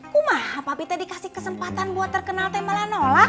kumaha papi teh dikasih kesempatan buat terkenal teh malah nolak